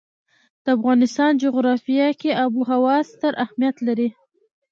د افغانستان جغرافیه کې آب وهوا ستر اهمیت لري.